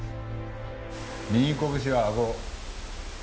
右拳はあご。